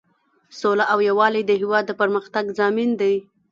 سوله او یووالی د هیواد د پرمختګ ضامن دی.